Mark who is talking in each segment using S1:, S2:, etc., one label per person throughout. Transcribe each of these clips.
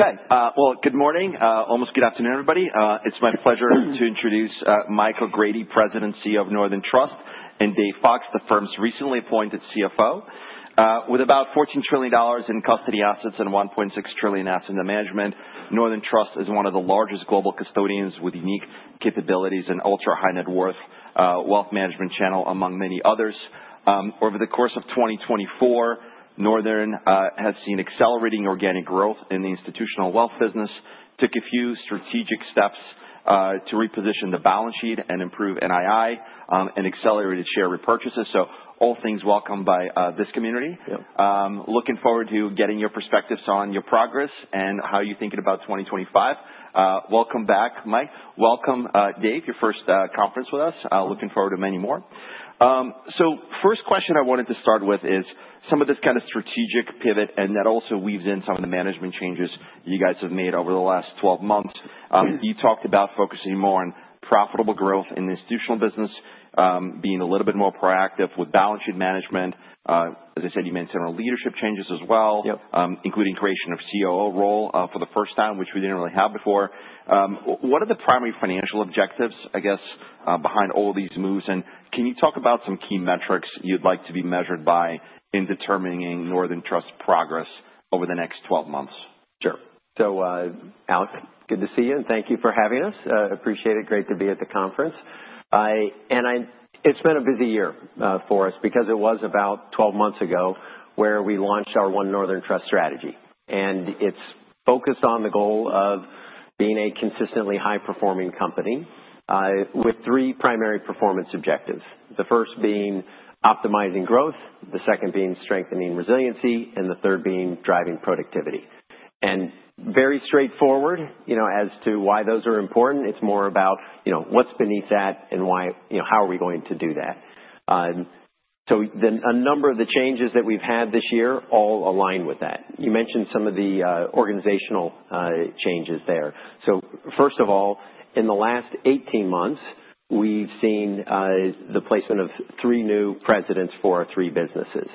S1: Okay. Well, good morning. Almost good afternoon, everybody. It's my pleasure to introduce Michael O'Grady, President and CEO of Northern Trust, and Dave Fox, the firm's recently appointed CFO. With about $14 trillion in custody assets and $1.6 trillion in asset management, Northern Trust is one of the largest global custodians with unique capabilities and ultra-high net worth wealth management channel among many others. Over the course of 2024, Northern has seen accelerating organic growth in the institutional wealth business, took a few strategic steps to reposition the balance sheet and improve NII, and accelerated share repurchases. So all things welcome by this community. Looking forward to getting your perspectives on your progress and how you're thinking about 2025. Welcome back, Mike. Welcome, Dave, your first conference with us. Looking forward to many more. First question I wanted to start with is some of this kind of strategic pivot, and that also weaves in some of the management changes you guys have made over the last 12 months. You talked about focusing more on profitable growth in the institutional business, being a little bit more proactive with balance sheet management. As I said, you mentioned leadership changes as well, including creation of COO role for the first time, which we didn't really have before. What are the primary financial objectives, I guess, behind all these moves? And can you talk about some key metrics you'd like to be measured by in determining Northern Trust's progress over the next 12 months?
S2: Sure. So, Alex, good to see you, and thank you for having us. Appreciate it. Great to be at the conference. And it's been a busy year for us because it was about 12 months ago where we launched our One Northern Trust strategy. And it's focused on the goal of being a consistently high-performing company with three primary performance objectives. The first being optimizing growth, the second being strengthening resiliency, and the third being driving productivity. And very straightforward as to why those are important, it's more about what's beneath that and how are we going to do that. So a number of the changes that we've had this year all align with that. You mentioned some of the organizational changes there. So first of all, in the last 18 months, we've seen the placement of three new presidents for three businesses.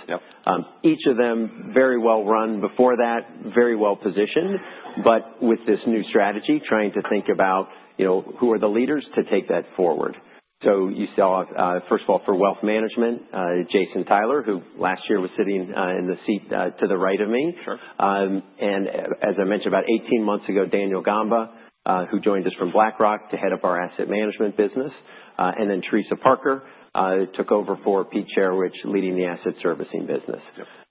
S2: Each of them very well run before that, very well positioned, but with this new strategy, trying to think about who are the leaders to take that forward. So you saw, first of all, for wealth management, Jason Tyler, who last year was sitting in the seat to the right of me. And as I mentioned, about 18 months ago, Daniel Gamba, who joined us from BlackRock to head up our asset management business. And then Teresa Parker took over for Pete Cherecwich, leading the asset servicing business.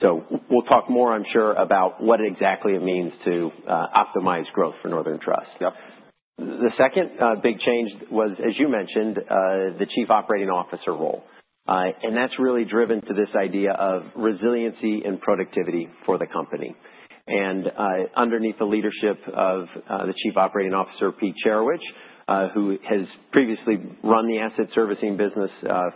S2: So we'll talk more, I'm sure, about what exactly it means to optimize growth for Northern Trust. The second big change was, as you mentioned, the Chief Operating Officer role. And that's really driven to this idea of resiliency and productivity for the company. Underneath the leadership of the Chief Operating Officer, Pete Cherecwich, who has previously run the asset servicing business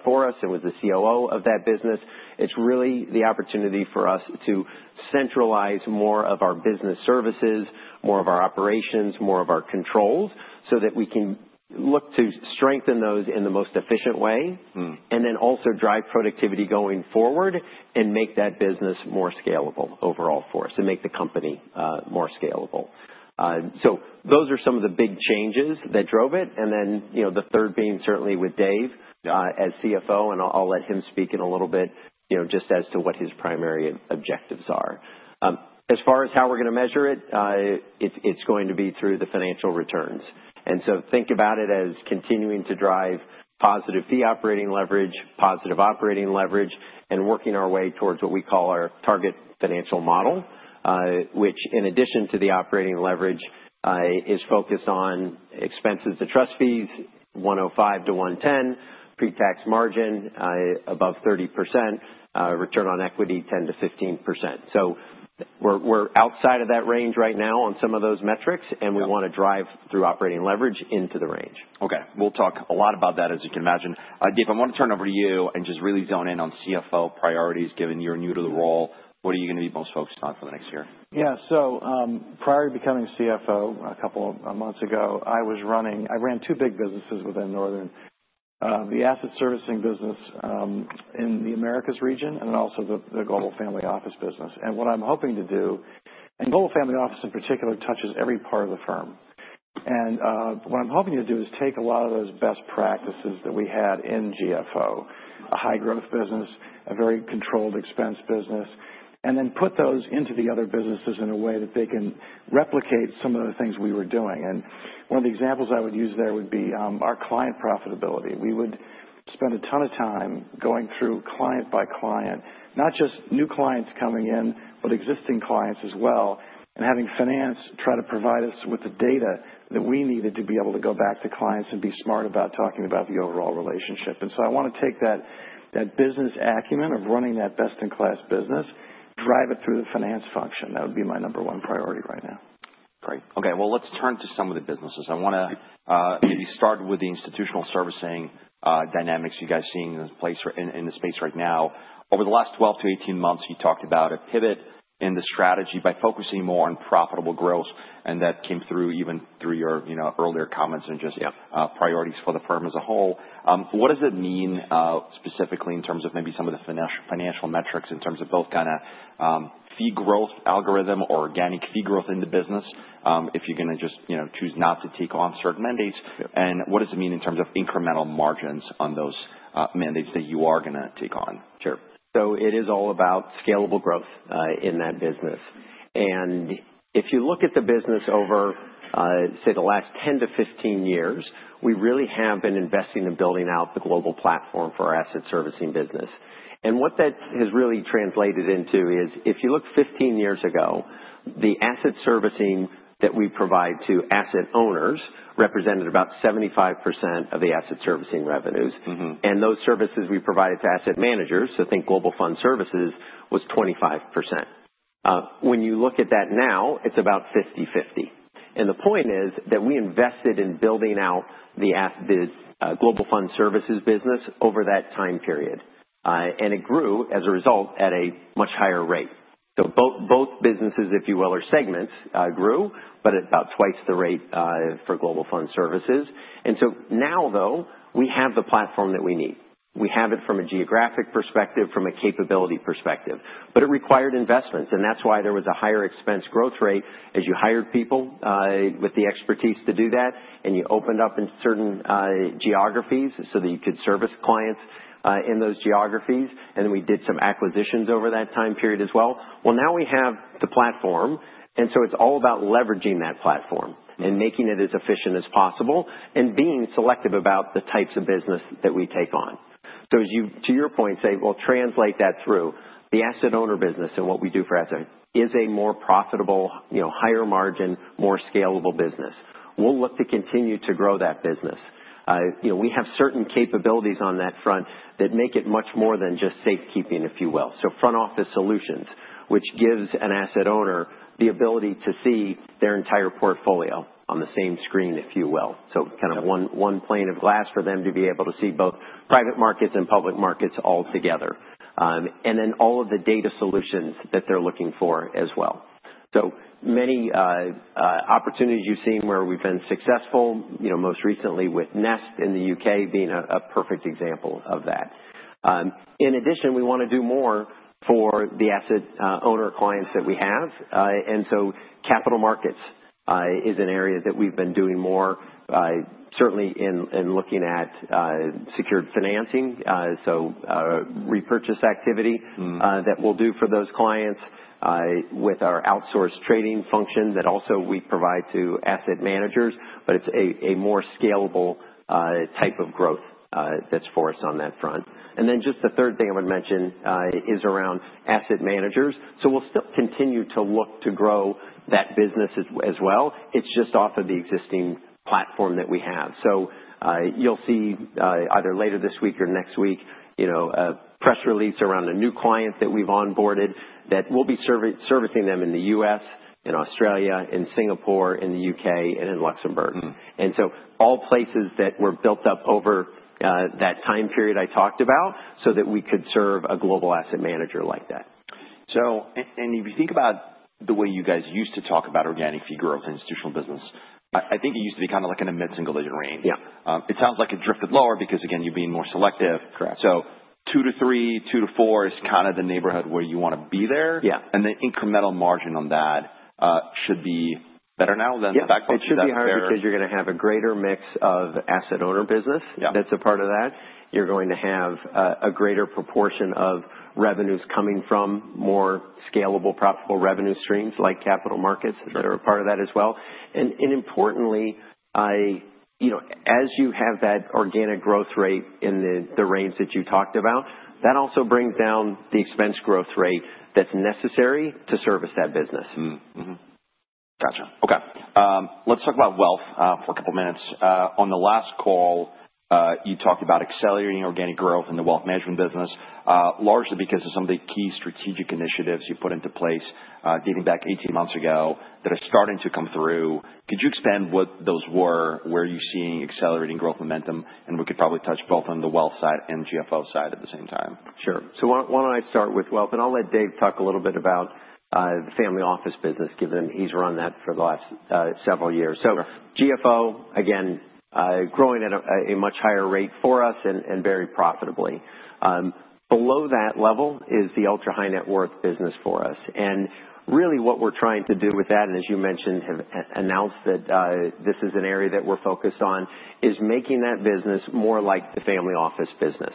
S2: for us and was the COO of that business, it's really the opportunity for us to centralize more of our business services, more of our operations, more of our controls, so that we can look to strengthen those in the most efficient way, and then also drive productivity going forward and make that business more scalable overall for us and make the company more scalable. Those are some of the big changes that drove it. Then the third being certainly with Dave as CFO, and I'll let him speak in a little bit just as to what his primary objectives are. As far as how we're going to measure it, it's going to be through the financial returns. And so think about it as continuing to drive positive fee operating leverage, positive operating leverage, and working our way towards what we call our Target Financial Model, which in addition to the operating leverage is focused on expenses to trust fees, 105-110, pre-tax margin above 30%, return on equity 10%-15%. So we're outside of that range right now on some of those metrics, and we want to drive through operating leverage into the range.
S1: Okay. We'll talk a lot about that, as you can imagine. Dave, I want to turn it over to you and just really zone in on CFO priorities. Given you're new to the role, what are you going to be most focused on for the next year?
S3: Yeah. So prior to becoming CFO a couple of months ago, I ran two big businesses within Northern: the asset servicing business in the Americas region and also the Global Family Office business. And what I'm hoping to do, and Global Family Office in particular, touches every part of the firm. And what I'm hoping to do is take a lot of those best practices that we had in GFO, a high-growth business, a very controlled expense business, and then put those into the other businesses in a way that they can replicate some of the things we were doing. And one of the examples I would use there would be our client profitability. We would spend a ton of time going through client by client, not just new clients coming in, but existing clients as well, and having finance try to provide us with the data that we needed to be able to go back to clients and be smart about talking about the overall relationship, and so I want to take that business acumen of running that best-in-class business, drive it through the finance function. That would be my number one priority right now.
S1: Great. Okay. Well, let's turn to some of the businesses. I want to maybe start with the institutional servicing dynamics you guys are seeing in the space right now. Over the last 12-18 months, you talked about a pivot in the strategy by focusing more on profitable growth, and that came through even through your earlier comments and just priorities for the firm as a whole. What does it mean specifically in terms of maybe some of the financial metrics in terms of both kind of fee growth algorithm or organic fee growth in the business, if you're going to just choose not to take on certain mandates? And what does it mean in terms of incremental margins on those mandates that you are going to take on?
S2: So it is all about scalable growth in that business. And if you look at the business over, say, the last 10 to 15 years, we really have been investing in building out the global platform for our asset servicing business. And what that has really translated into is, if you look 15 years ago, the asset servicing that we provide to asset owners represented about 75% of the asset servicing revenues. And those services we provided to asset managers, so think Global Fund Services, was 25%. When you look at that now, it's about 50/50. And the point is that we invested in building out the Global Fund Services business over that time period. And it grew as a result at a much higher rate. So both businesses, if you will, or segments grew, but at about twice the rate for Global Fund Services. And so now, though, we have the platform that we need. We have it from a geographic perspective, from a capability perspective. But it required investments. And that's why there was a higher expense growth rate as you hired people with the expertise to do that, and you opened up in certain geographies so that you could service clients in those geographies. And then we did some acquisitions over that time period as well. Well, now we have the platform, and so it's all about leveraging that platform and making it as efficient as possible and being selective about the types of business that we take on. So to your point, say, we'll translate that through the asset owner business and what we do for asset is a more profitable, higher margin, more scalable business. We'll look to continue to grow that business. We have certain capabilities on that front that make it much more than just safekeeping, if you will, so Front Office Solutions, which gives an asset owner the ability to see their entire portfolio on the same screen, if you will, so kind of one pane of glass for them to be able to see both private markets and public markets all together, and then all of the data solutions that they're looking for as well, so many opportunities you've seen where we've been successful, most recently with Nest in the U.K. being a perfect example of that. In addition, we want to do more for the asset owner clients that we have. And so Capital Markets is an area that we've been doing more, certainly in looking at secured financing, so repurchase activity that we'll do for those clients with our outsourced trading function that also we provide to asset managers. But it's a more scalable type of growth that's for us on that front. And then just the third thing I want to mention is around asset managers. So we'll still continue to look to grow that business as well. It's just off of the existing platform that we have. So you'll see either later this week or next week press releases around a new client that we've onboarded that we'll be servicing them in the U.S., in Australia, in Singapore, in the U.K., and in Luxembourg. And so all places that were built up over that time period I talked about so that we could serve a global asset manager like that.
S1: And if you think about the way you guys used to talk about organic fee growth in institutional business, I think it used to be kind of like an immense engagement, right? It sounds like it drifted lower because, again, you're being more selective. So two to three, two to four is kind of the neighborhood where you want to be there. And the incremental margin on that should be better now than back before?
S2: Yeah. It should be higher because you're going to have a greater mix of asset owner business that's a part of that. You're going to have a greater proportion of revenues coming from more scalable, profitable revenue streams like capital markets that are a part of that as well. And importantly, as you have that organic growth rate in the range that you talked about, that also brings down the expense growth rate that's necessary to service that business.
S1: Gotcha. Okay. Let's talk about wealth for a couple of minutes. On the last call, you talked about accelerating organic growth in the wealth management business, largely because of some of the key strategic initiatives you put into place dating back 18 months ago that are starting to come through. Could you expand what those were, where you're seeing accelerating growth momentum? And we could probably touch both on the wealth side and GFO side at the same time.
S2: Sure. So why don't I start with wealth? And I'll let Dave talk a little bit about the family office business, given he's run that for the last several years. So GFO, again, growing at a much higher rate for us and very profitably. Below that level is the ultra-high net worth business for us. And really what we're trying to do with that, and as you mentioned, have announced that this is an area that we're focused on, is making that business more like the family office business.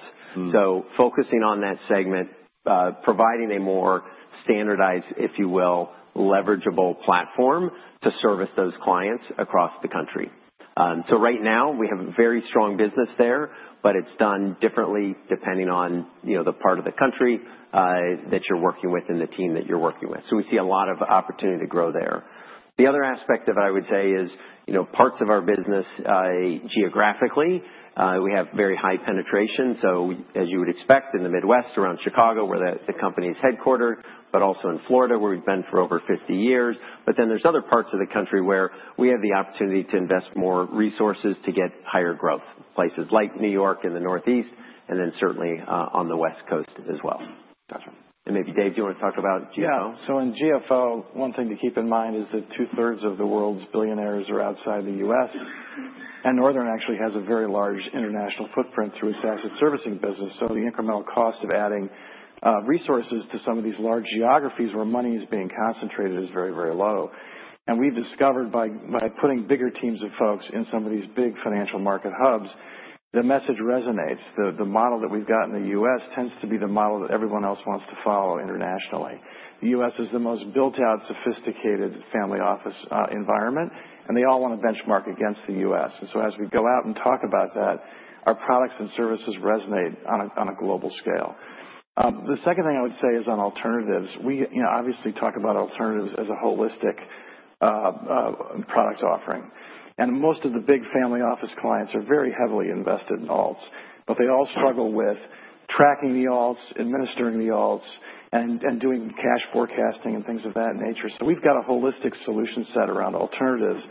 S2: So focusing on that segment, providing a more standardized, if you will, leverageable platform to service those clients across the country. So right now, we have a very strong business there, but it's done differently depending on the part of the country that you're working with and the team that you're working with. So we see a lot of opportunity to grow there. The other aspect of it, I would say, is parts of our business geographically, we have very high penetration. So as you would expect in the Midwest, around Chicago where the company is headquartered, but also in Florida where we've been for over 50 years. But then there's other parts of the country where we have the opportunity to invest more resources to get higher growth, places like New York and the Northeast, and then certainly on the West Coast as well. And maybe Dave, do you want to talk about GFO?
S3: Yeah. So in GFO, one thing to keep in mind is that two-thirds of the world's billionaires are outside the U.S. And Northern actually has a very large international footprint through its asset servicing business. So the incremental cost of adding resources to some of these large geographies where money is being concentrated is very, very low. And we've discovered by putting bigger teams of folks in some of these big financial market hubs, the message resonates. The model that we've got in the U.S. tends to be the model that everyone else wants to follow internationally. The U.S. is the most built-out, sophisticated family office environment, and they all want to benchmark against the U.S. And so as we go out and talk about that, our products and services resonate on a global scale. The second thing I would say is on alternatives. We obviously talk about alternatives as a holistic product offering. And most of the big family office clients are very heavily invested in alts, but they all struggle with tracking the alts, administering the alts, and doing cash forecasting and things of that nature. So we've got a holistic solution set around alternatives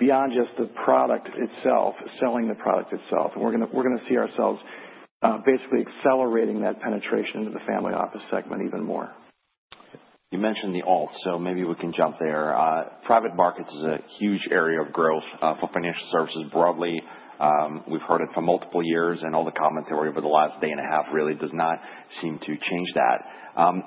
S3: beyond just the product itself, selling the product itself. And we're going to see ourselves basically accelerating that penetration into the family office segment even more.
S1: You mentioned the alts, so maybe we can jump there. Private markets is a huge area of growth for financial services broadly. We've heard it for multiple years, and all the commentary over the last day and a half really does not seem to change that.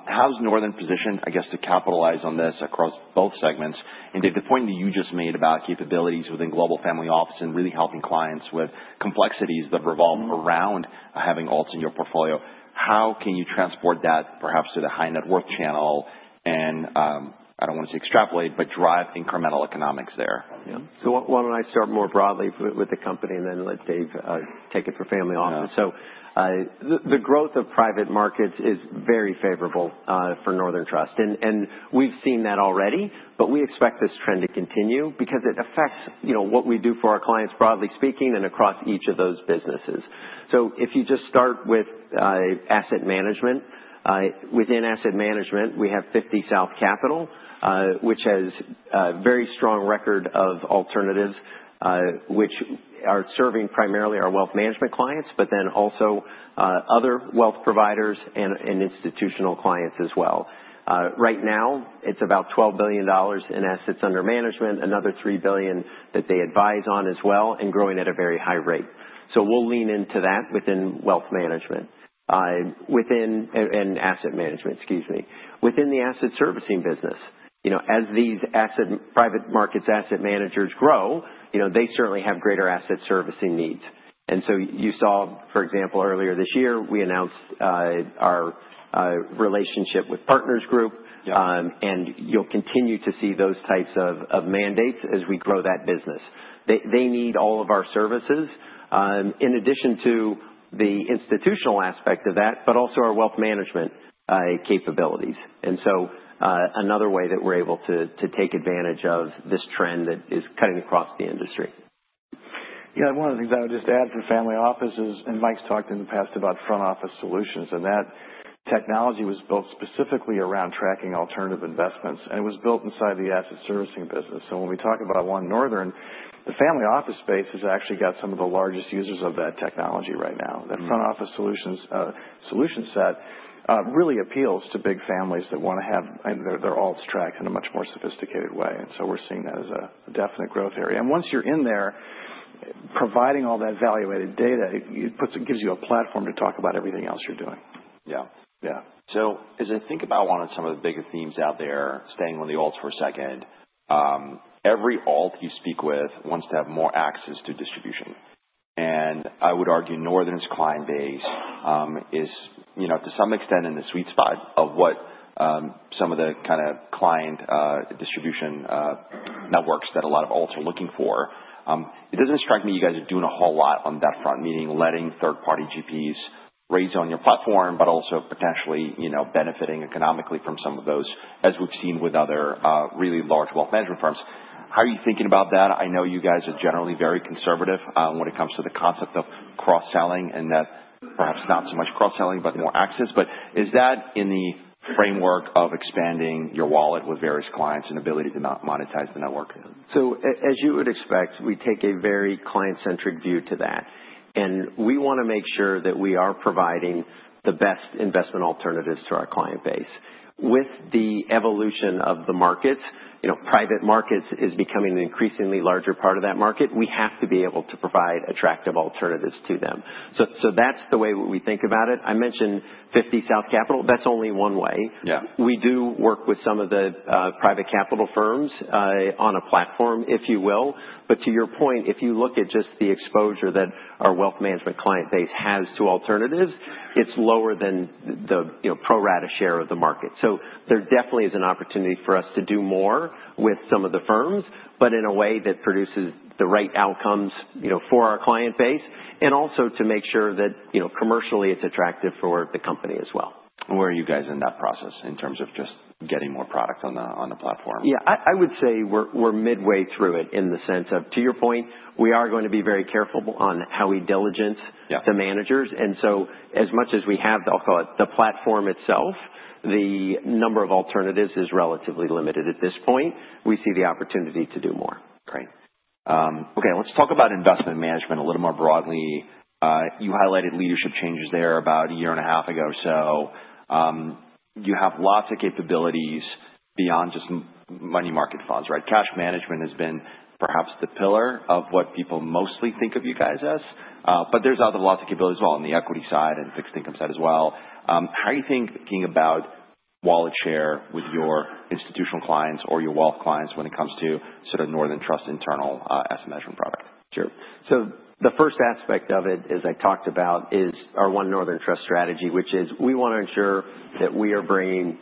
S1: How's Northern positioned, I guess, to capitalize on this across both segments? And to the point that you just made about capabilities within Global Family Office and really helping clients with complexities that revolve around having alts in your portfolio, how can you transport that perhaps to the high-net-worth channel and, I don't want to say extrapolate, but drive incremental economics there?
S2: So why don't I start more broadly with the company and then let Dave take it for family office? So the growth of private markets is very favorable for Northern Trust. And we've seen that already, but we expect this trend to continue because it affects what we do for our clients broadly speaking and across each of those businesses. So if you just start with asset management, within asset management, we have 50 South Capital, which has a very strong record of alternatives which are serving primarily our wealth management clients, but then also other wealth providers and institutional clients as well. Right now, it's about $12 billion in assets under management, another $3 billion that they advise on as well, and growing at a very high rate. So we'll lean into that within wealth management and asset management, excuse me, within the asset servicing business. As these private markets asset managers grow, they certainly have greater asset servicing needs. And so you saw, for example, earlier this year, we announced our relationship with Partners Group, and you'll continue to see those types of mandates as we grow that business. They need all of our services in addition to the institutional aspect of that, but also our wealth management capabilities. And so another way that we're able to take advantage of this trend that is cutting across the industry.
S3: Yeah. One of the things I would just add for family office is, and Mike's talked in the past about Front Office Solutions, and that technology was built specifically around tracking alternative investments, and it was built inside the Asset Servicing business. So when we talk about one Northern, the family office space has actually got some of the largest users of that technology right now. That Front Office Solutions set really appeals to big families that want to have their alts tracked in a much more sophisticated way. And so we're seeing that as a definite growth area. And once you're in there, providing all that value-added data gives you a platform to talk about everything else you're doing.
S1: Yeah, so as I think about one of some of the bigger themes out there, staying on the alts for a second, every alt you speak with wants to have more access to distribution. And I would argue Northern's client base is, to some extent, in the sweet spot of what some of the kind of client distribution networks that a lot of alts are looking for. It doesn't strike me you guys are doing a whole lot on that front, meaning letting third-party GPs raise on your platform, but also potentially benefiting economically from some of those, as we've seen with other really large wealth management firms. How are you thinking about that? I know you guys are generally very conservative when it comes to the concept of cross-selling and that perhaps not so much cross-selling, but more access. But is that in the framework of expanding your wallet with various clients and ability to monetize the network?
S2: As you would expect, we take a very client-centric view to that. And we want to make sure that we are providing the best investment alternatives to our client base. With the evolution of the markets, private markets is becoming an increasingly larger part of that market. We have to be able to provide attractive alternatives to them. That's the way we think about it. I mentioned 50 South Capital. That's only one way. We do work with some of the private capital firms on a platform, if you will. But to your point, if you look at just the exposure that our wealth management client base has to alternatives, it's lower than the pro rata share of the market. So there definitely is an opportunity for us to do more with some of the firms, but in a way that produces the right outcomes for our client base and also to make sure that commercially it's attractive for the company as well.
S1: Where are you guys in that process in terms of just getting more product on the platform?
S2: Yeah. I would say we're midway through it in the sense of, to your point, we are going to be very careful on how we diligence the managers. And so as much as we have, I'll call it the platform itself, the number of alternatives is relatively limited at this point. We see the opportunity to do more.
S1: Great. Okay. Let's talk about investment management a little more broadly. You highlighted leadership changes there about a year and a half ago or so. You have lots of capabilities beyond just money market funds, right? Cash management has been perhaps the pillar of what people mostly think of you guys as. But there's other lots of capabilities as well on the equity side and fixed income side as well. How are you thinking about wallet share with your institutional clients or your wealth clients when it comes to sort of Northern Trust internal asset management product?
S2: Sure. So the first aspect of it, as I talked about, is our One Northern Trust strategy, which is we want to ensure that we are bringing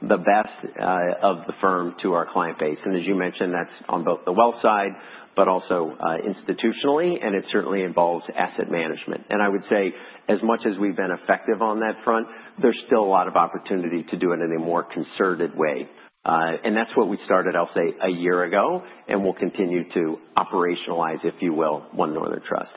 S2: the best of the firm to our client base. And as you mentioned, that's on both the wealth side, but also institutionally, and it certainly involves asset management. And I would say as much as we've been effective on that front, there's still a lot of opportunity to do it in a more concerted way. And that's what we started, I'll say, a year ago, and we'll continue to operationalize, if you will, One Northern Trust.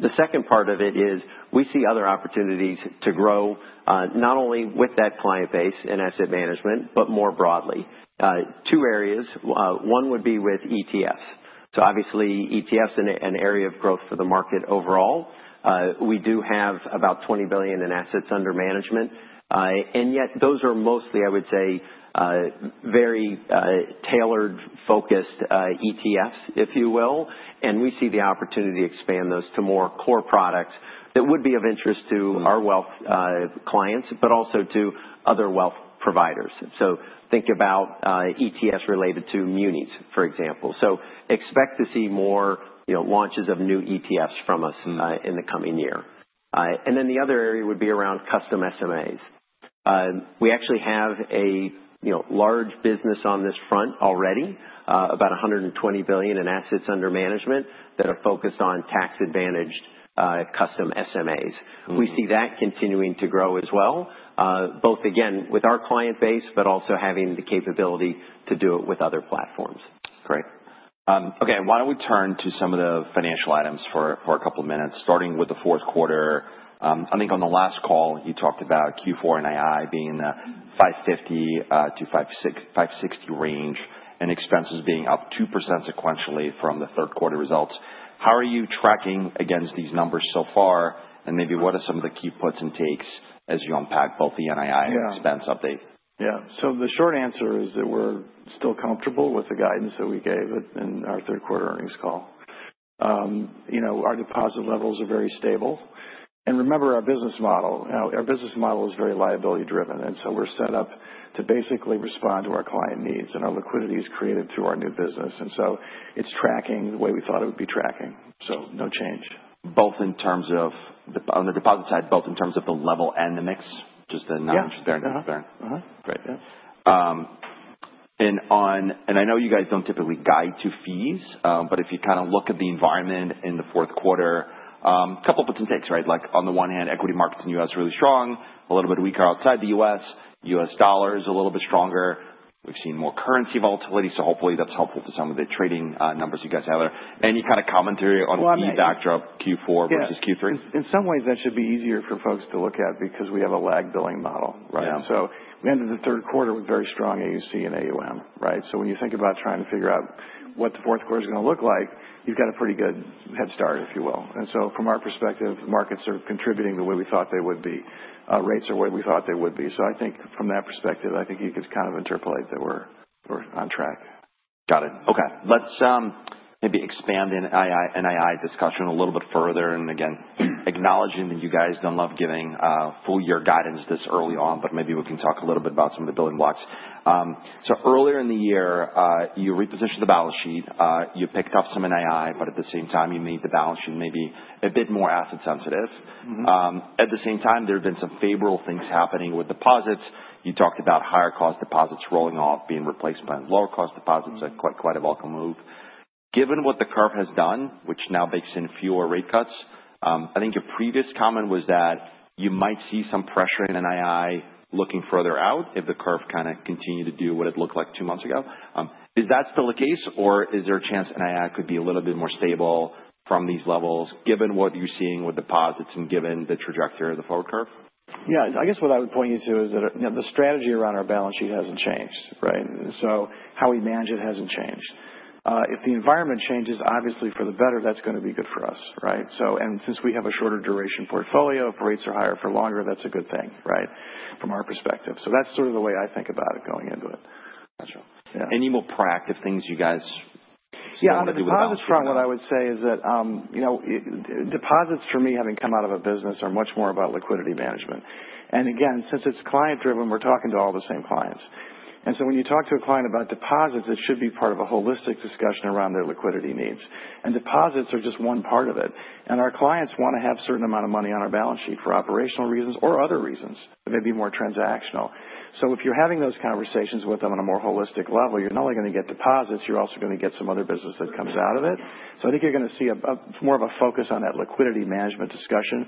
S2: The second part of it is we see other opportunities to grow not only with that client base and asset management, but more broadly. Two areas. One would be with ETFs. So obviously, ETFs are an area of growth for the market overall. We do have about $20 billion in assets under management. And yet those are mostly, I would say, very tailored-focused ETFs, if you will. And we see the opportunity to expand those to more core products that would be of interest to our wealth clients, but also to other wealth providers. So think about ETFs related to munis, for example. So expect to see more launches of new ETFs from us in the coming year. And then the other area would be around custom SMAs. We actually have a large business on this front already, about $120 billion in assets under management that are focused on tax-advantaged custom SMAs. We see that continuing to grow as well, both again with our client base, but also having the capability to do it with other platforms.
S1: Great. Okay. Why don't we turn to some of the financial items for a couple of minutes, starting with the fourth quarter? I think on the last call, you talked about Q4 and AUC being in the 550-560 range and expenses being up 2% sequentially from the third quarter results. How are you tracking against these numbers so far? And maybe what are some of the key puts and takes as you unpack both the NII and expense update?
S3: Yeah, so the short answer is that we're still comfortable with the guidance that we gave in our third quarter earnings call. Our deposit levels are very stable, and remember our business model. Our business model is very liability-driven, and so we're set up to basically respond to our client needs. And our liquidity is created through our new business, and so it's tracking the way we thought it would be tracking, so no change.
S1: Both in terms of on the deposit side, both in terms of the level and the mix, just no concern.
S3: Yeah.
S1: Great. And I know you guys don't typically guide to fees, but if you kind of look at the environment in the fourth quarter, a couple of puts and takes, right? Like on the one hand, equity markets in the U.S. are really strong, a little bit weaker outside the U.S., U.S. dollar is a little bit stronger. We've seen more currency volatility. So hopefully that's helpful to some of the trading numbers you guys have there. Any kind of commentary on fee backdrop Q4 versus Q3?
S3: In some ways, that should be easier for folks to look at because we have a lagging billing model, right? We ended the third quarter with very strong AUC and AUM, right, so when you think about trying to figure out what the fourth quarter is going to look like, you've got a pretty good head start, if you will, and so from our perspective, markets are contributing the way we thought they would be. Rates are the way we thought they would be, so I think from that perspective, I think you could kind of interpolate that we're on track.
S1: Got it. Okay. Let's maybe expand in NII discussion a little bit further. And again, acknowledging that you guys don't love giving full-year guidance this early on, but maybe we can talk a little bit about some of the building blocks. So earlier in the year, you repositioned the balance sheet. You picked up some NII, but at the same time, you made the balance sheet maybe a bit more asset-sensitive. At the same time, there have been some favorable things happening with deposits. You talked about higher-cost deposits rolling off, being replaced by lower-cost deposits that quite a bit of them will move. Given what the curve has done, which now bakes in fewer rate cuts, I think your previous comment was that you might see some pressure in NII looking further out if the curve kind of continued to do what it looked like two months ago. Is that still the case, or is there a chance NII could be a little bit more stable from these levels given what you're seeing with deposits and given the trajectory of the forward curve?
S3: Yeah. I guess what I would point you to is that the strategy around our balance sheet hasn't changed, right? So how we manage it hasn't changed. If the environment changes, obviously for the better, that's going to be good for us, right? And since we have a shorter duration portfolio, if rates are higher for longer, that's a good thing, right, from our perspective. So that's sort of the way I think about it going into it.
S1: Gotcha. Any more proactive things you guys want to do with deposits?
S3: Yeah. The deposit front, what I would say is that deposits, for me, having come out of a business, are much more about liquidity management. And again, since it's client-driven, we're talking to all the same clients. And so when you talk to a client about deposits, it should be part of a holistic discussion around their liquidity needs. And deposits are just one part of it. And our clients want to have a certain amount of money on our balance sheet for operational reasons or other reasons that may be more transactional. So if you're having those conversations with them on a more holistic level, you're not only going to get deposits, you're also going to get some other business that comes out of it. So I think you're going to see more of a focus on that liquidity management discussion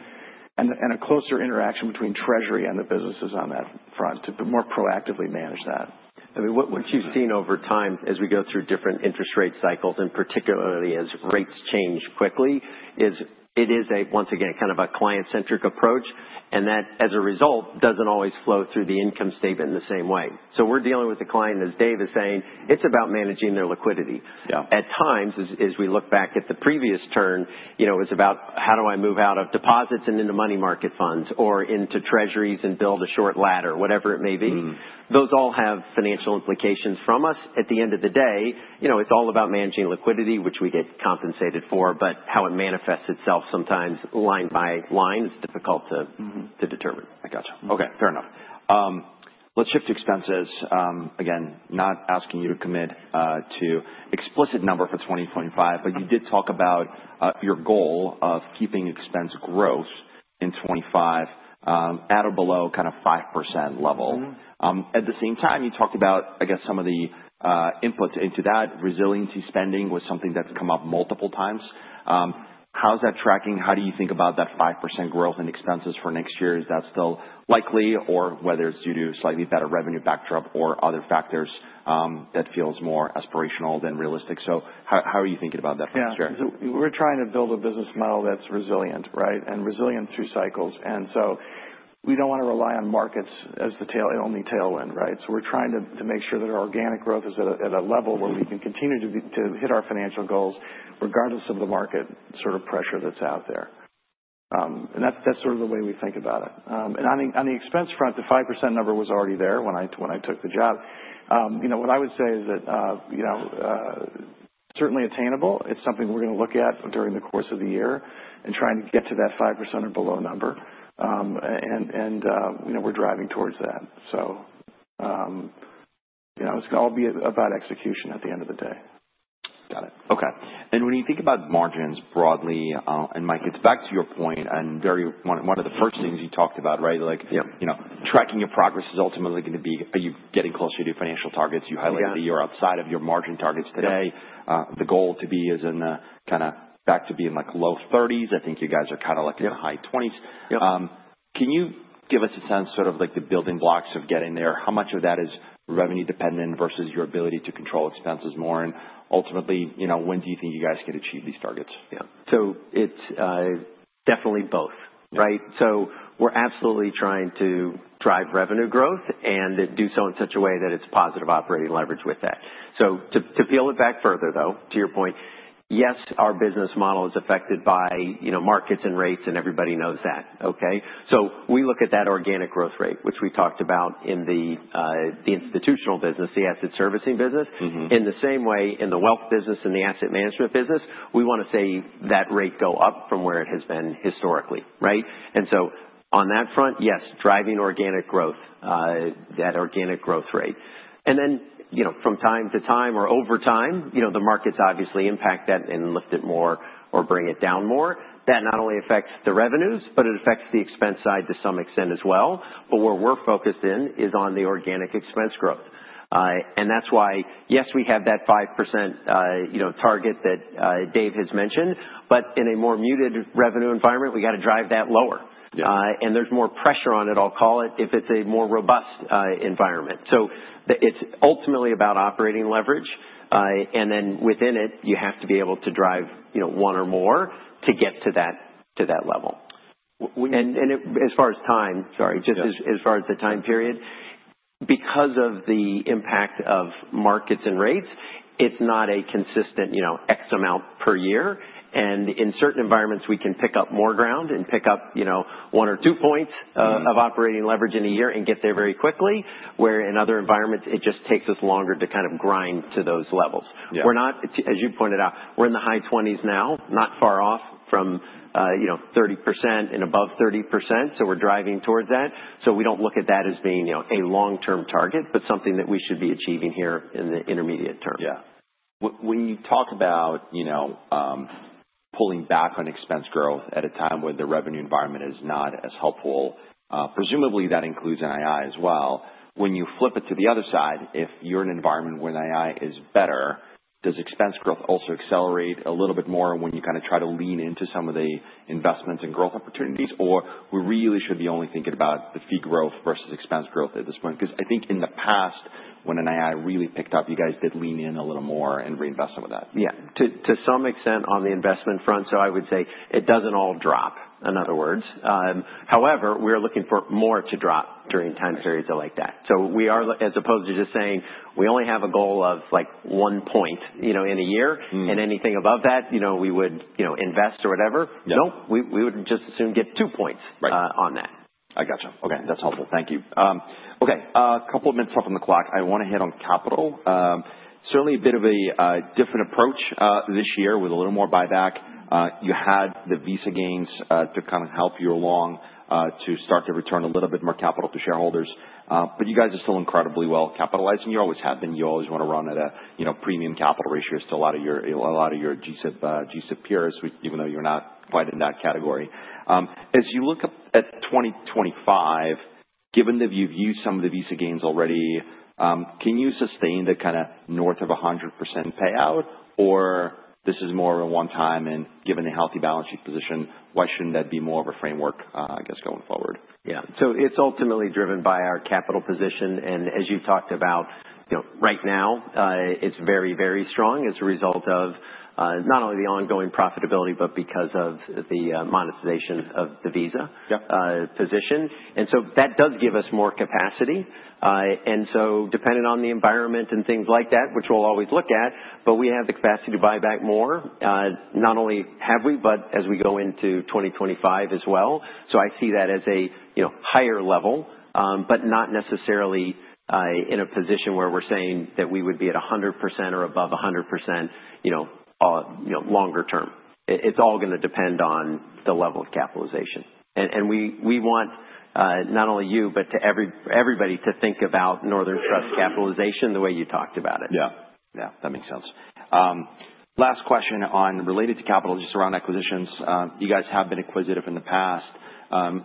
S3: and a closer interaction between Treasury and the businesses on that front to more proactively manage that.
S1: I mean, what you've seen over time as we go through different interest rate cycles, and particularly as rates change quickly, is it is, once again, kind of a client-centric approach. And that, as a result, doesn't always flow through the income statement in the same way. So we're dealing with the client, as Dave is saying, it's about managing their liquidity. At times, as we look back at the previous turn, it was about how do I move out of deposits and into money market funds or into Treasuries and build a short ladder, whatever it may be. Those all have financial implications from us. At the end of the day, it's all about managing liquidity, which we get compensated for, but how it manifests itself sometimes line by line is difficult to determine. I gotcha. Okay. Fair enough. Let's shift to expenses. Again, not asking you to commit to an explicit number for 2025, but you did talk about your goal of keeping expense growth in 2025 at or below kind of 5% level. At the same time, you talked about, I guess, some of the inputs into that. Resiliency spending was something that's come up multiple times. How's that tracking? How do you think about that 5% growth in expenses for next year? Is that still likely, or whether it's due to slightly better revenue backdrop or other factors that feel more aspirational than realistic? So how are you thinking about that for next year?
S3: Yeah. So we're trying to build a business model that's resilient, right, and resilient through cycles. And so we don't want to rely on markets as the only tailwind, right? So we're trying to make sure that our organic growth is at a level where we can continue to hit our financial goals regardless of the market sort of pressure that's out there. And that's sort of the way we think about it. And on the expense front, the 5% number was already there when I took the job. What I would say is that certainly attainable. It's something we're going to look at during the course of the year and trying to get to that 5% or below number. And we're driving towards that. So it's going to all be about execution at the end of the day.
S1: Got it. Okay, and when you think about margins broadly, and Mike, it's back to your point and one of the first things you talked about, right? Tracking your progress is ultimately going to be, are you getting closer to financial targets? You highlighted that you're outside of your margin targets today. The goal to be is kind of back to being like low 30s. I think you guys are kind of like in the high 20s. Can you give us a sense sort of like the building blocks of getting there? How much of that is revenue-dependent versus your ability to control expenses more, and ultimately, when do you think you guys can achieve these targets?
S2: Yeah. So it's definitely both, right? So we're absolutely trying to drive revenue growth and do so in such a way that it's positive operating leverage with that. So to peel it back further, though, to your point, yes, our business model is affected by markets and rates, and everybody knows that, okay? So we look at that organic growth rate, which we talked about in the institutional business, the asset servicing business. In the same way, in the wealth business and the asset management business, we want to see that rate go up from where it has been historically, right? And so on that front, yes, driving organic growth, that organic growth rate. And then from time to time or over time, the markets obviously impact that and lift it more or bring it down more. That not only affects the revenues, but it affects the expense side to some extent as well. But where we're focused in is on the organic expense growth. And that's why, yes, we have that 5% target that Dave has mentioned, but in a more muted revenue environment, we got to drive that lower. And there's more pressure on it, I'll call it, if it's a more robust environment. So it's ultimately about operating leverage. And then within it, you have to be able to drive one or more to get to that level. And as far as time, sorry, just as far as the time period, because of the impact of markets and rates, it's not a consistent X amount per year. And in certain environments, we can pick up more ground and pick up one or two points of operating leverage in a year and get there very quickly, where in other environments, it just takes us longer to kind of grind to those levels. As you pointed out, we're in the high 20s now, not far off from 30% and above 30%. So we're driving towards that. So we don't look at that as being a long-term target, but something that we should be achieving here in the intermediate term.
S1: Yeah. When you talk about pulling back on expense growth at a time when the revenue environment is not as helpful, presumably that includes NII as well, when you flip it to the other side, if you're in an environment where NII is better, does expense growth also accelerate a little bit more when you kind of try to lean into some of the investments and growth opportunities, or we really should be only thinking about the fee growth versus expense growth at this point? Because I think in the past, when NII really picked up, you guys did lean in a little more and reinvest some of that.
S2: Yeah. To some extent on the investment front, so I would say it doesn't all drop, in other words. However, we're looking for more to drop during time periods like that. So as opposed to just saying we only have a goal of one point in a year, and anything above that, we would invest or whatever, no, we would just as soon get two points on that.
S1: I gotcha. Okay. That's helpful. Thank you. Okay. A couple of minutes left on the clock. I want to hit on capital. Certainly a bit of a different approach this year with a little more buyback. You had the Visa gains to kind of help you along to start to return a little bit more capital to shareholders. But you guys are still incredibly well-capitalized. You always have been. You always want to run at a premium capital ratio still out of a lot of your G-SIB peers, even though you're not quite in that category. As you look at 2025, given that you've used some of the Visa gains already, can you sustain the kind of north of 100% payout, or this is more of a one-time? And given the healthy balance sheet position, why shouldn't that be more of a framework, I guess, going forward?
S2: Yeah. So it's ultimately driven by our capital position. And as you've talked about, right now, it's very, very strong as a result of not only the ongoing profitability, but because of the monetization of the Visa position. And so that does give us more capacity. And so depending on the environment and things like that, which we'll always look at, but we have the capacity to buy back more. Not only have we, but as we go into 2025 as well. So I see that as a higher level, but not necessarily in a position where we're saying that we would be at 100% or above 100% longer term. It's all going to depend on the level of capitalization. And we want not only you, but to everybody to think about Northern Trust capitalization the way you talked about it.
S1: Yeah. Yeah. That makes sense. Last question related to capital just around acquisitions. You guys have been acquisitive in the past.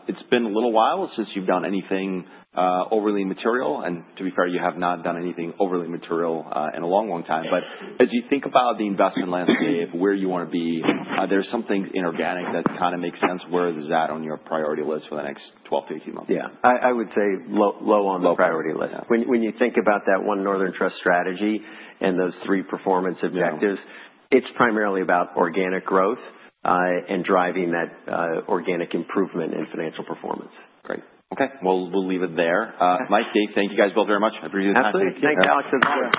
S1: It's been a little while since you've done anything overly material, and to be fair, you have not done anything overly material in a long, long time, but as you think about the investment landscape, where you want to be, are there some things in inorganic that kind of make sense? Where does that on your priority list for the next 12-18 months?
S2: Yeah. I would say low on the priority list. When you think about that One Northern Trust strategy and those three performance objectives, it's primarily about organic growth and driving that organic improvement in financial performance.
S1: Great. Okay. Well, we'll leave it there. Mike, Dave, thank you guys both very much. I appreciate the time today.
S2: Absolutely. Thanks, Alex.